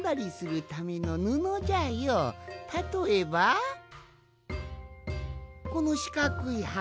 たとえばこのしかくいはこ。